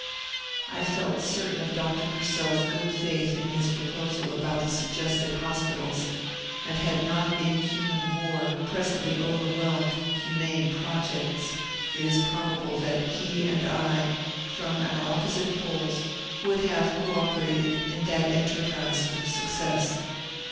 I felt certain of Dr. Purcell's good faith in his proposal about the suggested hospitals; and had not inhuman War presently overwhelmed humane projects, it is probable that he and I, from our opposite poles, would have cooperated in that enterprise with success.